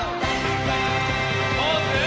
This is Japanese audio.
ポーズ！